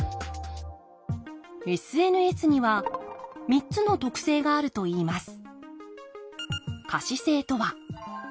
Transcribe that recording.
ＳＮＳには３つの特性があるといいます